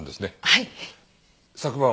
はい。